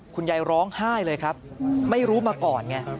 คุณยายร้องไห้เลยครับไม่รู้มาก่อนไง